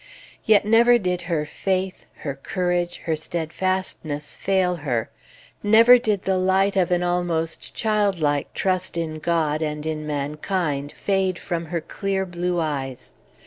Yet never did her faith, her courage, her steadfastness fail her, never did the light of an almost childlike trust in God and in mankind fade from her clear blue eyes.